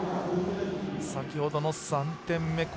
先ほどの３点目。